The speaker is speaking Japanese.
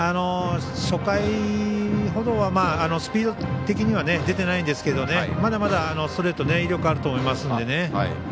初回ほどはスピード的には出てないですけどまだまだストレート威力あると思いますので。